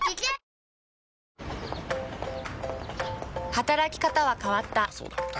働き方は変わった。